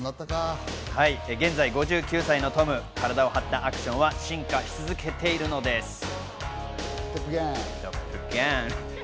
現在５９歳のトム、体を張ったアクションは進化し続けているのです。